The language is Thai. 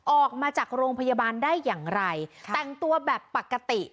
ออกมาจากโรงพยาบาลได้อย่างไรแต่งตัวแบบปกติ